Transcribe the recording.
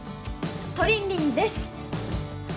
トリンリンです